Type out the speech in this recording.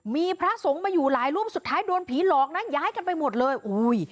มีพระสงฆ์มาอยู่หลายรูปสุดท้ายโดนผีหลอกนะย้ายกันไปหมดเลยอุ้ย